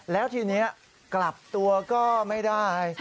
แล้วทีนี้กลับตัวก็ไม่ได้